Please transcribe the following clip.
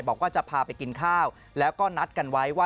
บอกว่าจะพาไปกินข้าวแล้วก็นัดกันไว้ว่า